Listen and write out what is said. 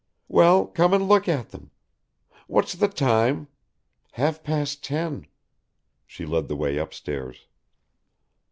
"Well, come and look at them what's the time? Half past ten." She led the way upstairs.